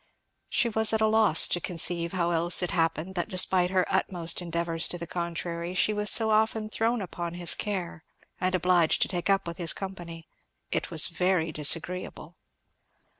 She was at a loss to conceive how else it happened that despite her utmost endeavours to the contrary she was so often thrown upon his care and obliged to take up with his company. It was very disagreeable.